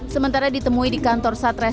sementara ditemui di kantor satres